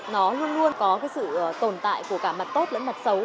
nó luôn luôn có cái sự tồn tại của cả mặt tốt lẫn mặt xấu